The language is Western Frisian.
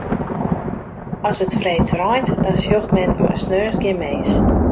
As it freeds reint, dan sjocht men sneons gjin mins.